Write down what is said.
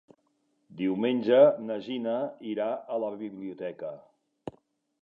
Diumenge na Gina irà a la biblioteca.